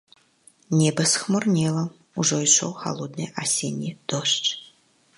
Неба схмурнела, ужо ішоў халодны асенні дождж.